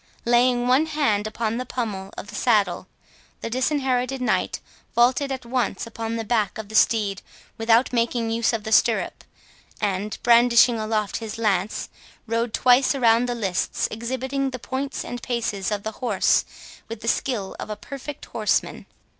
Laying one hand upon the pommel of the saddle, the Disinherited Knight vaulted at once upon the back of the steed without making use of the stirrup, and, brandishing aloft his lance, rode twice around the lists, exhibiting the points and paces of the horse with the skill of a perfect horseman.